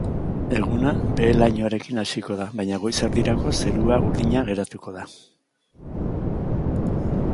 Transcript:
Eguna behe-lainoarekin hasiko da, baina goiz erdirako zerua urdina geratuko da.